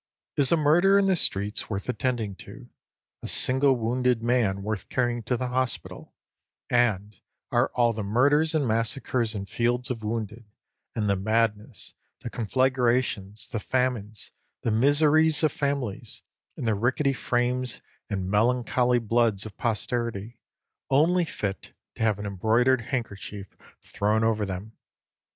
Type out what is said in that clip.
Is a murder in the streets worth attending to, a single wounded man worth carrying to the hospital, and are all the murders, and massacres, and fields of wounded, and the madness, the conflagrations, the famines, the miseries of families, and the rickety frames and melancholy bloods of posterity, only fit to have an embroidered handkerchief thrown over them?